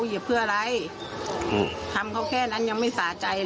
หยิบเพื่ออะไรอือถ้าทำเขาแค่นั้นยังไม่สะใจเหรอ